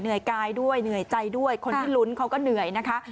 กายด้วยเหนื่อยใจด้วยคนที่ลุ้นเขาก็เหนื่อยนะคะ